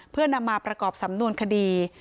เพื่อนำมาประกอบสำนวนคดี